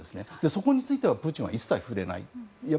そこについてプーチンは一切触れない。